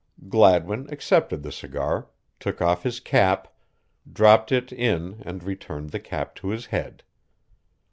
Gladwin accepted the cigar, took off his cap, dropped it in and returned the cap to his head.